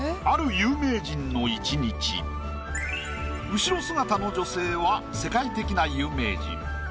後ろ姿の女性は世界的な有名人。